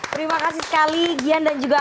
terima kasih sekali gian dan juga